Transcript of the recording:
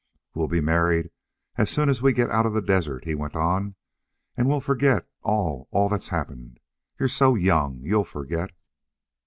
"We'll be married as soon as we get out of the desert," he went on. "And we'll forget all all that's happened. You're so young. You'll forget."